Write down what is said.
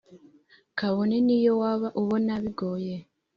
kabone n’iyo waba ubona bigoye